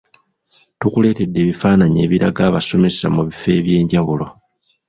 Tukuleetedde ebifaananyi ebiraga abasomesa mu bifo ebyenjawulo.